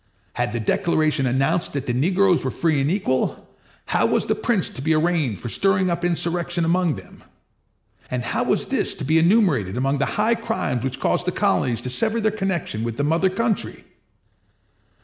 Had the Declaration announced that the negroes were free and equal, how was the prince to be arraigned for stirring up insurrection among them? And how was this to be enumerated among the high crimes which caused the Colonies to sever their connection with the mother country?